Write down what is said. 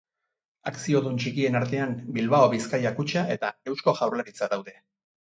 Akziodun txikien artean Bilbao Bizkaia Kutxa eta Eusko Jaurlaritza daude.